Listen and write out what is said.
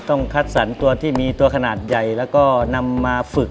คัดสรรตัวที่มีตัวขนาดใหญ่แล้วก็นำมาฝึก